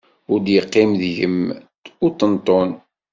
Ur d-iqqim deg-m uṭenṭun.